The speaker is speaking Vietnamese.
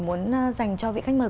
muốn dành cho vị khách mời